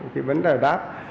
thì vẫn là grab